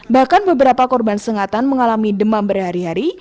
bahkan beberapa korban sengatan mengalami demam berhari hari